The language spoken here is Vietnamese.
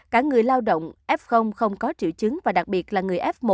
cả người lao động f không có triệu chứng và đặc biệt là người f một